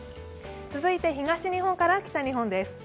続いて、東日本から北日本です。